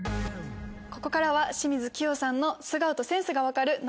ここからは清水希容さんの素顔とセンスが分かる９